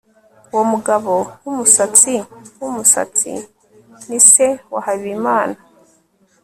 uwo mugabo wumusatsi wumusatsi ni se wa habimana